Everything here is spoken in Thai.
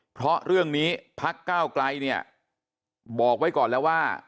เพราะเรื่องนี้พักก้าวไกลเนี่ยบอกไว้ก่อนแล้วว่า